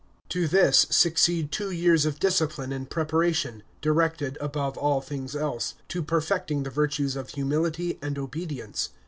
To this succeed two years of discipline and preparation, directed, above all things else, to perfecting the virtues of humility and obedience.